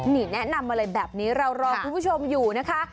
นี่แนะนำมาเลยแบบนี้เรารอคุณผู้ชมอยู่นะคะ